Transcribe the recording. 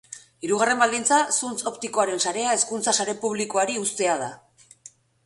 Hirugarren baldintza, zuntz-optikoaren sarea hezkuntza sare publikoari uztea da.